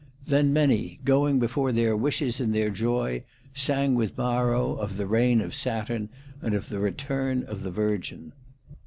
Then many, going before their wishes in their joy, sang with Maro of the reign of Saturn, and of the return of the Virgin.